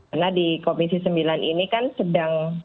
karena di komisi sembilan ini kan sedang